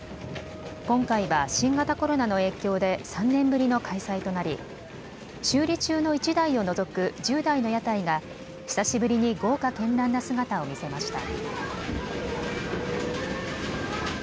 今回は新型コロナの影響で３年ぶりの開催となり修理中の１台を除く１０台の屋台が久しぶりに豪華けんらんな姿を見せました。